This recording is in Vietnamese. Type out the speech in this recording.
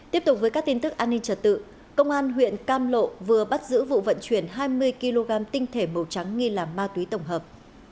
tiếp tục với các tin tức an ninh trật tự công an huyện cam lộ vừa bắt giữ vụ vận chuyển hai mươi kg tinh thể màu trắng nghi là ma túy tổng hợp